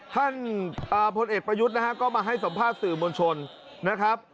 ท่านพลเอกประยุทธ์นะฮะก็มาให้สัมภาษณ์สื่อมวลชนนะครับ